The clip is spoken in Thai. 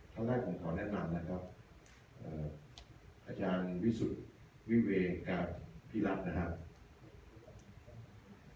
เท่าไหร่ผมขอแนะนำนะครับอาจารย์วิสุทธิ์วิเวกับพี่รัฐนะครับ